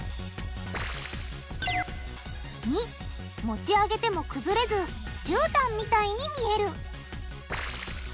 ②持ち上げてもくずれずじゅうたんみたいに見える。